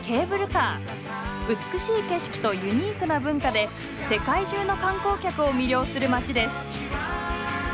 美しい景色とユニークな文化で世界中の観光客を魅了する街です。